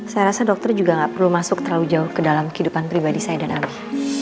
saya rasa dokter juga gak perlu masuk terlalu jauh ke dalam kehidupan pribadi saya dan abi